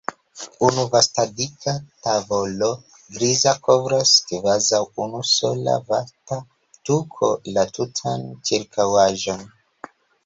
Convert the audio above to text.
Unu vasta dika tavolo griza kovras kvazaŭ unu sola vata tuko la tutan ĉirkaŭaĵon.